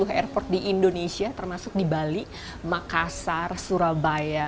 airport di indonesia termasuk di bali makassar surabaya